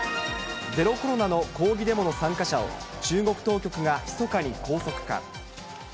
ゼロコロナの抗議デモの参加者を、中国当局がひそかに拘束か。